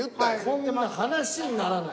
こんな。